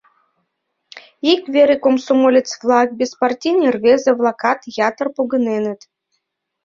Ик вере комсомолец-влак, беспартийный рвезе-влакат ятыр погыненыт.